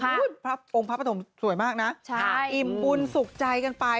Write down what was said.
พระพระพระภรรยาสุดสวยมากนะอิ่มบุญสุขใจกันไป